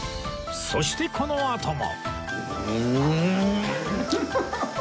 そしてこのあとも